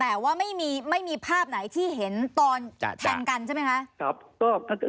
แต่ว่าไม่มีภาพไหนที่เห็นตอนแทงกันใช่ไหมคะ